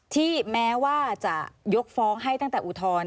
แม้ว่าจะยกฟ้องให้ตั้งแต่อุทธรณ์